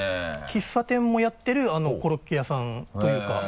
喫茶店もやってるコロッケ屋さんというか。